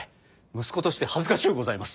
息子として恥ずかしゅうございます。